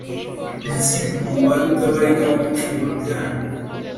nzi umubare utabarika w’ibicumuro byanyu,